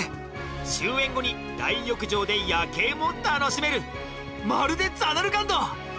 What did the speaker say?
終演後に大浴場で夜景も楽しめるまるでザナルカンド！